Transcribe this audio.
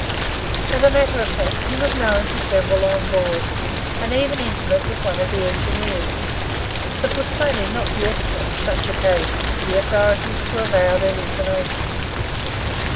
As a matter of fact, he was known to several on board, and even intimate with one of the engineers; but it was plainly not the etiquette of such occasions for the authorities to avow their information.